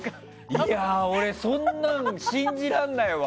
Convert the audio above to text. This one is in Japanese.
いや、そんなん信じられないわ！